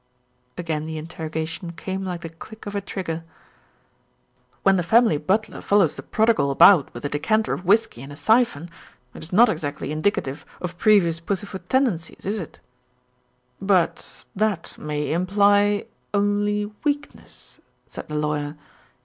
again the interrogation came like the click of a trigger. "When the family butler follows the prodigal about with a decanter of whisky and a syphon, it is not ex actly indicative of previous pussyfoot tendencies, is it?" 158 THE RETURN OF ALFRED "But that may imply only weakness," said the lawyer.